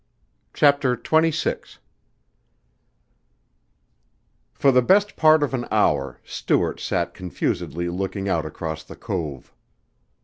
CHAPTER XXVI For the best part of an hour Stuart sat confusedly looking out across the cove.